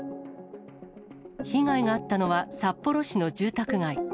被害があったのは、札幌市の住宅街。